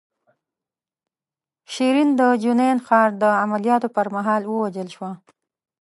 شیرین د جنین ښار د عملیاتو پر مهال ووژل شوه.